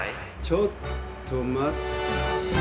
ちょっと待った。